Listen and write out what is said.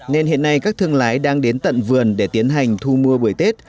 nên hiện nay các thương lái đang đến tận vườn để tiến hành thu mua bưởi tết